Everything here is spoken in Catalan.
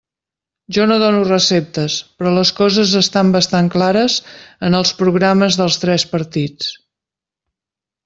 Jo no dono receptes, però les coses estan bastant clares en els programes dels tres partits.